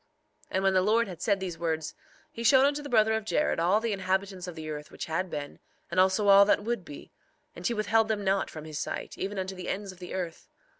3:25 And when the Lord had said these words, he showed unto the brother of Jared all the inhabitants of the earth which had been, and also all that would be; and he withheld them not from his sight, even unto the ends of the earth.